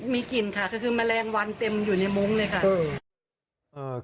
มีกลิ่นค่ะก็คือแมลงวันเต็มอยู่ในมุ้งเลยค่ะ